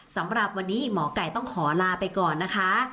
สำหรับวันนี้หมอไก่ต้องขอลาไปก่อนนะคะ